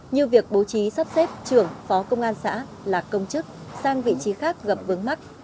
như việc bố trí sắp xếp trưởng phó công an xã là công chức sang vị trí khác gặp vướng mắt